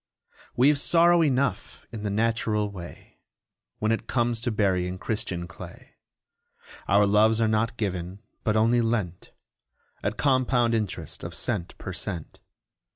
We've sorrow enough in the natural way, When it comes to burying Christian clay. Our loves are not given, but only lent, At compound interest of cent per cent.